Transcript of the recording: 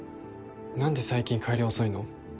何で最近帰り遅いの？